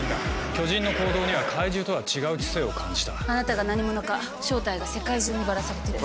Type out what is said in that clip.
巨人の行動には、怪獣とは違あなたが何者か、正体は世界中にばらされてる。